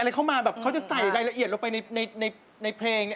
หล่นทางที่เดินฉันละคิดเอง